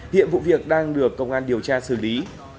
hiện vụ việc đang được công an điều tra xử lý